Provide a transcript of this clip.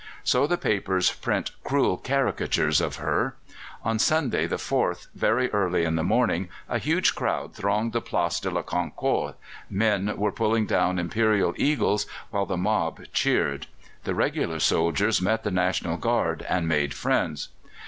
So the papers print cruel caricatures of her. On Sunday, the 4th, very early in the morning, a huge crowd thronged the Place de la Concorde; men were pulling down Imperial eagles while the mob cheered. The regular soldiers met the National Guard and made friends.